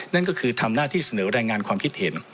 นั่นก็คือทำหน้าที่เสนอรายงานความคิดเห็น